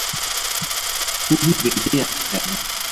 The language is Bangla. পুহি বেঁচে আছে কেন?